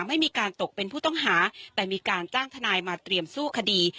ไม่มีการตกเป็นผู้ต้องหาแต่มีการจ้างทนายมาเตรียมสู้คดี